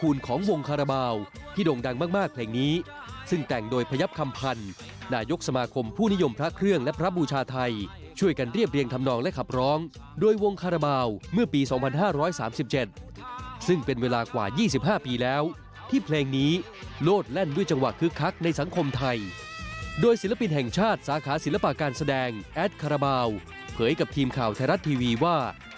หรือว่ากลุ่มของวงคราบาลที่โด่งดังมากเพลงนี้ซึ่งแต่งโดยพยับคำพันธ์นายกสมาคมผู้นิยมพระเครื่องและพระบูชาไทยช่วยกันเรียบเรียงทำนองและขับร้องโดยวงคราบาลเมื่อปี๒๕๓๗ซึ่งเป็นเวลากว่า๒๕ปีแล้วที่เพลงนี้โลดแล่นด้วยจังหวักคลึกคักในสังคมไทยโดยศิลปินแห่งชาติสาขา